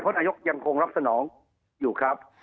เพราะนายกยังรักษณองค์อยู่ครับ